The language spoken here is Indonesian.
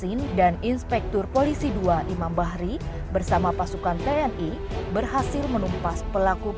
indonesia tanah air beta